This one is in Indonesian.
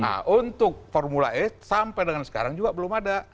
nah untuk formula e sampai dengan sekarang juga belum ada